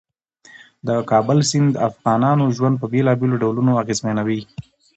د کابل سیند د افغانانو ژوند په بېلابېلو ډولونو اغېزمنوي.